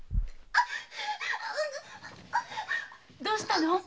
どうしたの？